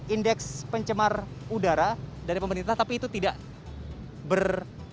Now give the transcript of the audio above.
indeks pencemar udara dari pemerintah tapi itu tidak ber